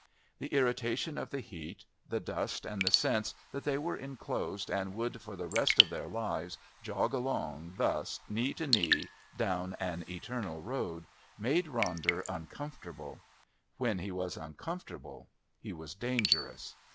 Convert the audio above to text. The irritation of the heat, the dust and the sense that they were enclosed and would for the rest of their lives jog along, thus, knee to knee, down an eternal road, made Ronder uncomfortable; when he was uncomfortable he was dangerous.